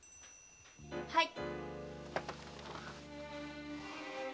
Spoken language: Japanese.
はい。